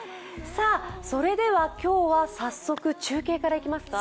それでは今日は早速、中継からいきますか。